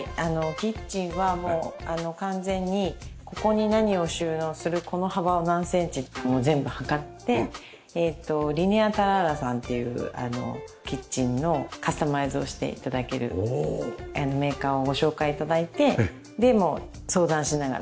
キッチンはもう完全にここに何を収納するこの幅は何センチってもう全部測ってリネアタラーラさんっていうキッチンのカスタマイズをして頂けるメーカーをご紹介頂いてもう相談しながら。